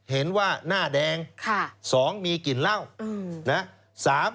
เห็นว่าหน้าแดง๒มีกลิ่นเหล้านะ